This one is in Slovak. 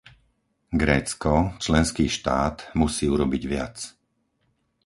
Grécko, členský štát, musí urobiť viac.